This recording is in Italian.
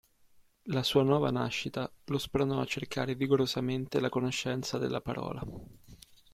La sua nuova nascita lo spronò a cercare vigorosamente la conoscenza della Parola.